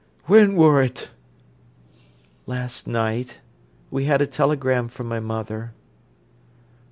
"When wor't?" "Last night. We had a telegram from my mother."